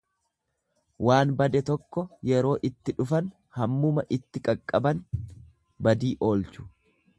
Waan bade tokko yeroo itti dhufan hammuma itti qaqqaban badii oolchu.